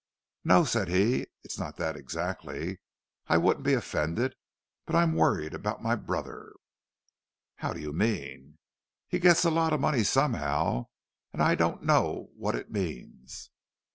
"No," said he, "it's not that exactly—I wouldn't be offended. But I'm worried about my brother." "How do you mean?" "He gets a lot of money somehow, and I don't know what it means."